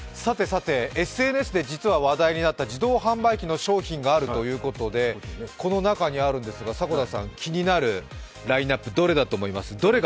ＳＮＳで話題になった自動販売機の商品があるということでこの中にあるんですが、迫田さん気になるラインナップどれだと思います？